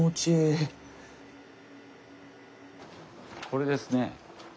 これですね。